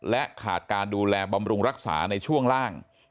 และขาดการดูแลบำรุงรักษาในช่วงล่าง